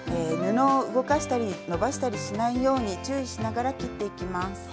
布を動かしたり伸ばしたりしないように注意しながら切っていきます。